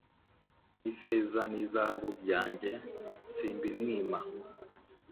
n’ifeza n’izahabu byanjye, simbimwima”